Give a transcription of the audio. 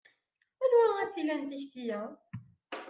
Anwa ay tt-ilan tekti-a?